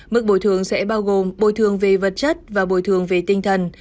mức bồi thường sẽ bao gồm bồi thường về vật chất và bồi thường về tinh thần